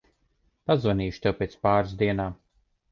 Pazvanīšu tev pēc pāris dienām.